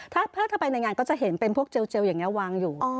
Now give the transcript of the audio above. ถ้าเข้าไปในงานก็จะเห็นเป็นพวกเจลอย่างนี้วางอยู่